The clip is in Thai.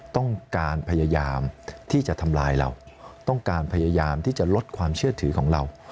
ต้องการพยายามที่จะทำลายเราต้องการพยายามที่จะลดความเชื่อถือของเรา